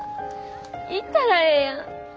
行ったらええやん。